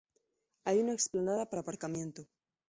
Hay una explanada para aparcamiento.